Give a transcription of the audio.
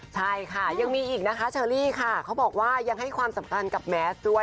ใช่ค่ะยังมีอีกนะคะเชอรี่ค่ะเขาบอกว่ายังให้ความสำคัญกับแมสด้วย